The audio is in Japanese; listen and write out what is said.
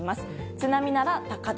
津波なら高台。